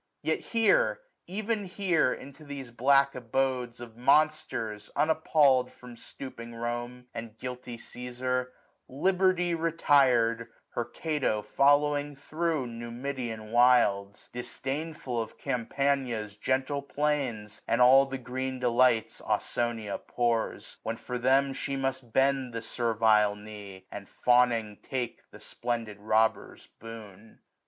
950 Yet here, even here, into these black abodes Of monsters, unappallM, from stooping Rome, And guilty Caesar, Liberty retired, Her Cato following thro' Numidian wilds : Disdainful of Campania's gentle plains, 955 And all the green delights Ausonia pours ; When for them she must bend the servile knee. And fawning take the splendid robber's boon.